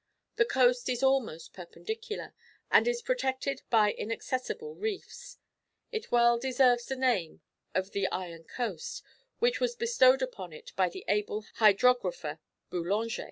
The coast is almost perpendicular, and is protected by inaccessible reefs; it well deserves the name of "the iron coast," which was bestowed upon it by the able hydrographer, Boullanger.